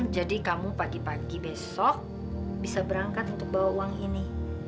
jadi kamu pagi pagi besok bisa berangkat untuk bawa uang ini